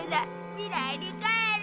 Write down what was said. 未来に帰る。